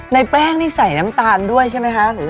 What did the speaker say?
ในแป้งนี่ใส่น้ำตาลด้วยใช่ไหมคะ